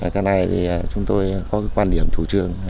cái này thì chúng tôi có cái quan điểm chủ trương